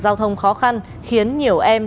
giao thông khó khăn khiến nhiều em